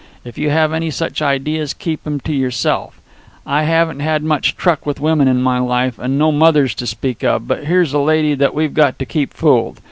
If you have any such ideas, keep 'em to yourself. I haven't had much truck with women in my life, and no mothers to speak of, but here's a lady that we've got to keep fooled.